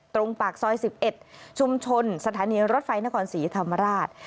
ตรงปากซอย๑๑ชุมชนสถานีรถไฟนครศรีธรรมราช